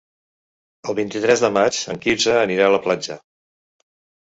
El vint-i-tres de maig en Quirze anirà a la platja.